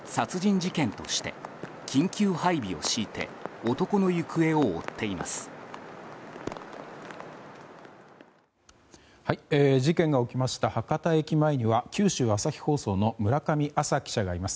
事件が起きました博多駅前には九州朝日放送の村上亜沙記者がいます。